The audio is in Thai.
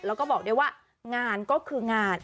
แล้วก็บอกได้ว่างานก็คืองาน